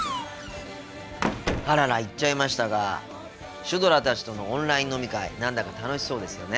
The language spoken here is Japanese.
あらら行っちゃいましたがシュドラたちとのオンライン飲み会何だか楽しそうですよね。